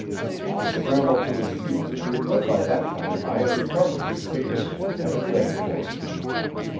He scrambled to his feet, but by that time I had recovered the spear and had it ready for him.